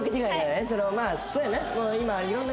まあそうやな。